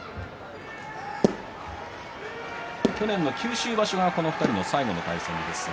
去年の九州場所がこの２人の最後の対戦でした。